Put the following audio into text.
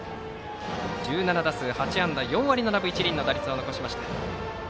１７打数８安打４割７分１厘の打率を残しました。